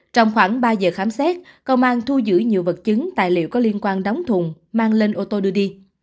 trong khoảng ba giờ khám xét công an thu giữ nhiều vật chứng tài liệu có liên quan đóng thùng mang lên ô tô đưa đi